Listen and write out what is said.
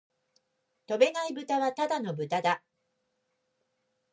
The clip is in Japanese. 飛べないブタはただの豚だ